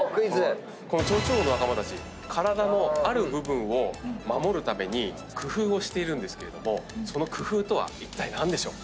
このチョウチョウウオの仲間たち体のある部分を守るために工夫をしているんですけれどもその工夫とはいったい何でしょう？